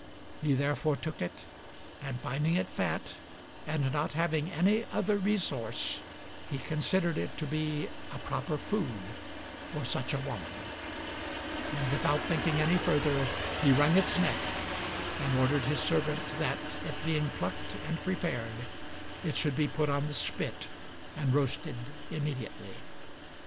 He therefore took it, and finding it fat, and not having any other resource, he considered it to be a proper food for such a woman; and without thinking any further, he wrung its neck and ordered his servant that, it being plucked and prepared, it should be put on the spit and roasted immediately.